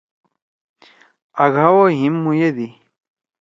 آگھا او ھیم مویدی۔